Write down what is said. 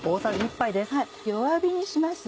弱火にします